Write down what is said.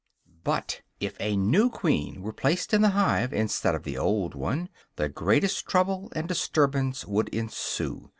But if a new queen were placed in the hive, instead of the old one, the greatest trouble and disturbance would ensue.